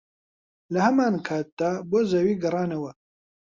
لەهەمانکاتدا بۆ زەوی گەڕانەوە